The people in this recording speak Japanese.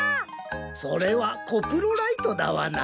それはコプロライトダワナ。